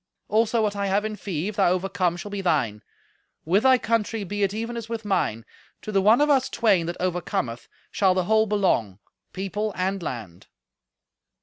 Also what I have in fee, if thou overcome, shall be thine. With thy country be it even as with mine. To the one of us twain that overcometh shall the whole belong, people and land."